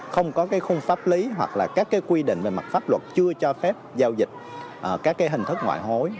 không có cái khung pháp lý hoặc là các cái quy định về mặt pháp luật chưa cho phép giao dịch các cái hình thức ngoại hối